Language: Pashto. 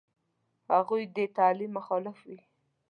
هغوی دې د تعلیم مخالف وي.